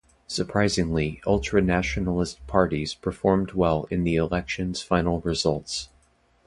Surprisingly, ultra-nationalist parties performed well in the election's final results.